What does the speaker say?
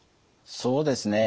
そうですね。